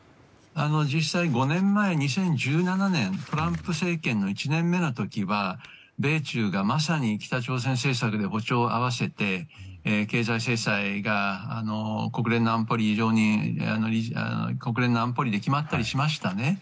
実際、５年前の２０１７年トランプ政権の１年目の時は米中が、まさに北朝鮮政策で歩調を合わせて経済制裁が国連の安保理で決まったりしました。